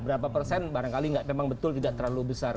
berapa persen barangkali memang betul tidak terlalu besar